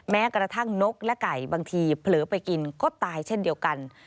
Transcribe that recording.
แม้กระทั่งนกและไก่บางทีเผลอไปกินก็ตายเช่นเดียวกัน